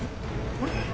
あれ？